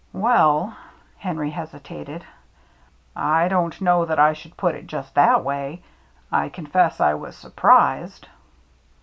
"Well," Henry hesitated, "I don't know that I should put it just that way. I confess ' I was surprised."